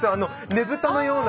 ねぶたのような。